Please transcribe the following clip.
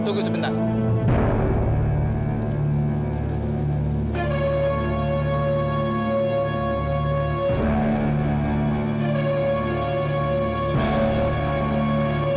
orang dari lembira killed